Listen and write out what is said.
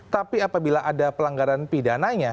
tapi apabila ada pelanggaran pidananya